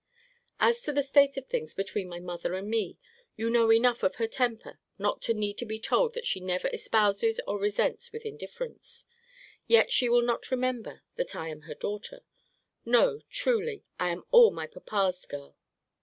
As to the state of things between my mother and me, you know enough of her temper, not to need to be told that she never espouses or resents with indifference. Yet will she not remember that I am her daughter. No, truly, I am all my papa's girl.